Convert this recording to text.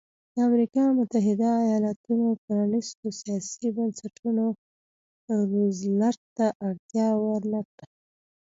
د امریکا متحده ایالتونو پرانیستو سیاسي بنسټونو روزولټ ته اجازه ورنه کړه.